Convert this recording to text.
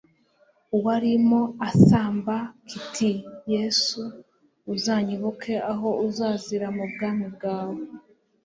warimo asamba kiti: «Yesu, uzanyibuke aho uzazira mu bwami bwawe.»